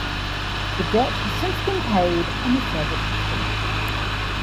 The debt has since been paid and the service restored.